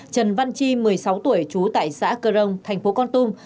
trần văn chi một mươi sáu tuổi trú tại xã cơ rông thành phố con tum